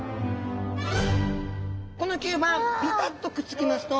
この吸盤ピタッとくっつきますと。